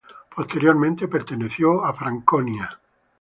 Posteriormente perteneció a Franconia.